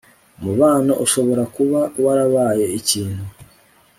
umubano ushobora kuba warabaye ikintu